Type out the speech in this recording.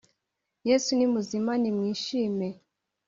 Yesu ni muzima ni mwishimwe